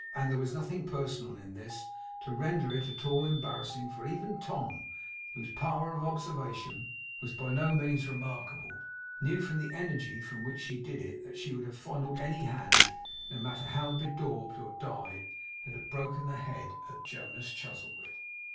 And there was nothing personal in this to render it at all embarrassing, for even Tom, whose power of observation was by no means remarkable, knew from the energy with which she did it that she would have fondled any hand, no matter how bedaubed or dyed, that had broken the head of Jonas Chuzzlewit.